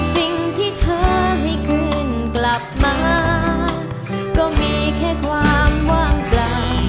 สิ่งที่เธอให้คืนกลับมาก็มีแค่ความว่างเปล่า